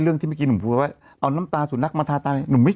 เรื่องที่เมื่อกี้หนูพูดว่าเอาน้ำตาสุดนักมาทาตาหนูไม่